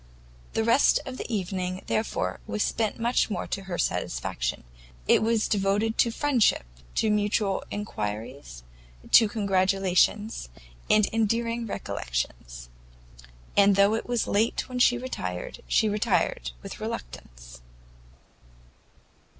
The rest of the evening, therefore, was spent much more to her satisfaction; it was devoted to friendship, to mutual enquiries, to kind congratulations, and endearing recollections; and though it was late when she retired, she retired with reluctance.